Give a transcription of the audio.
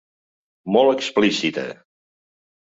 Molt explícita.